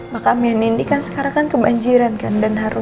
makamnya nindi kan sekarang kan kebanjiran kan